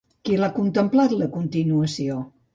Qui l'ha contemplat a continuació?